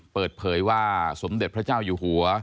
เปิดเผยว่าสมเด็จพระเจ้าอยู่หัว